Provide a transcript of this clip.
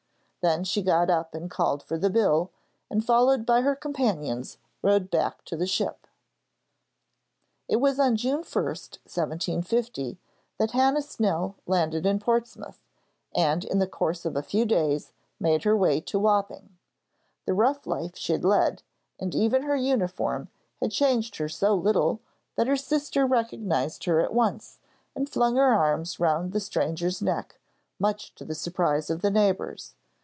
Then she got up and called for the bill, and followed by her companions, rowed back to the ship. It was on June 1, 1750, that Hannah Snell landed in Portsmouth, and in the course of a few days made her way to Wapping. The rough life she had led, and even her uniform, had changed her so little that her sister recognised her at once, and flung her arms round the stranger's neck, much to the surprise of the neighbours.